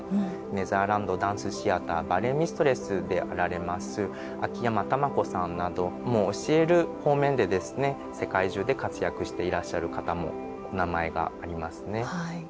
ネザーランド・ダンス・シアターバレエミストレスであられます秋山珠子さんなどもう教える方面でですね世界中で活躍していらっしゃる方もお名前がありますね。